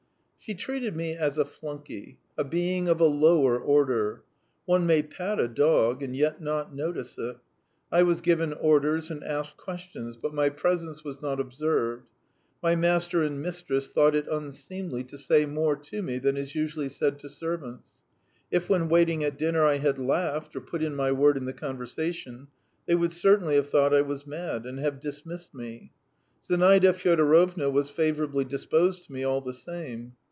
She treated me as a flunkey, a being of a lower order. One may pat a dog, and yet not notice it; I was given orders and asked questions, but my presence was not observed. My master and mistress thought it unseemly to say more to me than is usually said to servants; if when waiting at dinner I had laughed or put in my word in the conversation, they would certainly have thought I was mad and have dismissed me. Zinaida Fyodorovna was favourably disposed to me, all the same.